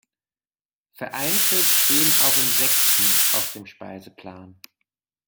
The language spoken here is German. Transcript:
Vereinzelt stehen auch Insekten auf dem Speiseplan.